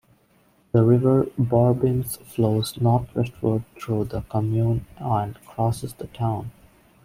The river Bourbince flows northwestward through the commune and crosses the town.